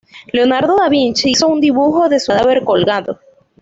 Leonardo da Vinci hizo un dibujo de su cadáver colgado.